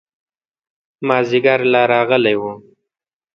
مازدیګر لا راغلی و.